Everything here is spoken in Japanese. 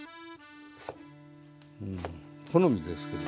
うん好みですけど。